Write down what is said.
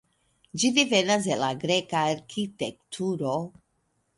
Ĝi devenas el la greka arkitekturo.